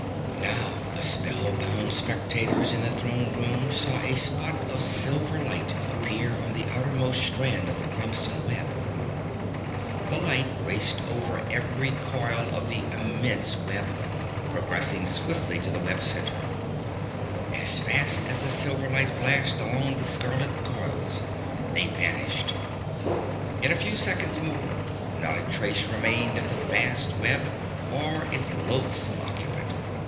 Now the spellbound spectators in the throne room saw a spot of silver light appear on the outermost strand of the crimson web. The light raced over every coil of the immense web, progressing swiftly to the web's center. As fast as the silver light flashed along the scarlet coils, they vanished. In a few seconds more not a trace remained of the vast web or its loathsome occupant.